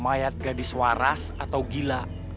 mayat gadis waras atau gila